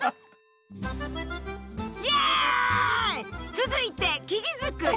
続いて生地作り。